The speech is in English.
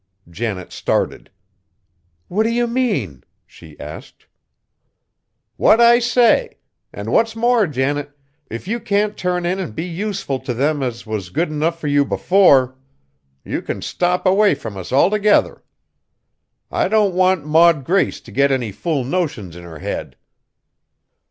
Janet started. "What do you mean?" she asked. "What I say. An' what's more, Janet, if you can't turn in an' be useful t' them as was good enough fur you before, you can stop away from us altogether. I don't want Maud Grace t' get any fool notions in her head."